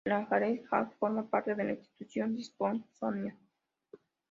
La Galería Sackler forma parte de la Institución Smithsonian.